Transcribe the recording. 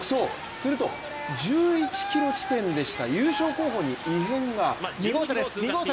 すると、１１ｋｍ地点でした、優勝候補に異変が。